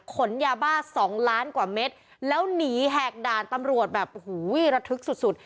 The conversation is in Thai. ขนยาบ้าสองล้านกว่าเม็ดแล้วหนีแหกด่านตำรวจแบบโอ้โหระทึกสุดสุด